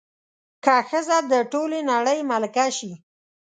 که ښځه د ټولې نړۍ ملکه شي